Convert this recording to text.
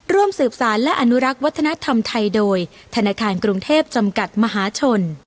ร่วมสืบสารและอนุรักษ์วัฒนธรรมไทยโดยธนาคารกรุงเทพจำกัดมหาชน